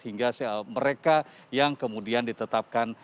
hingga mereka yang kemudian ditetapkan